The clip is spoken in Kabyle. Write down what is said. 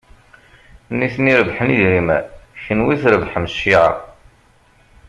Nitni rebḥen idrimen, kenwi trebḥem cciɛa.